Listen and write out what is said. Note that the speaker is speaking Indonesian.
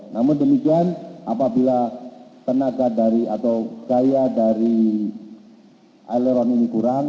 namun demikian apabila tenaga dari atau gaya dari aileron ini kurang